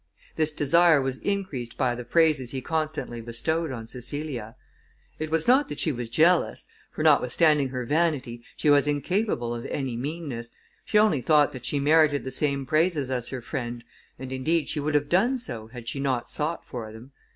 This desire was increased by the praises he constantly bestowed on Cecilia. It was not that she was jealous; for, notwithstanding her vanity, she was incapable of any meanness, she only thought that she merited the same praises as her friend, and indeed, she would have done so, had she not sought for them.